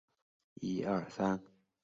光绪辛卯年京闱举人。